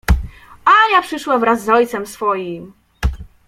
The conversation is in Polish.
Ania przyszła wraz z ojcem swoim!